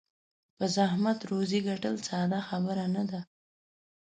په زحمت روزي ګټل ساده خبره نه ده.